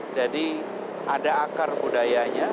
jadi ada akar budayanya